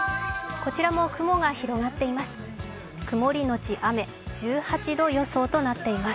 こちらも雲が広がっています。